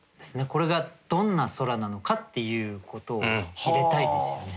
これがどんな空なのかっていうことを入れたいですよね。